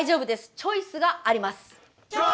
チョイスがあります！